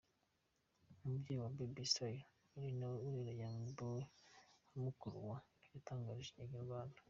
Umubyeyi wa Baby Style ari nawe urera Young Boy nka mukuru we yatangarije Inyarwanda.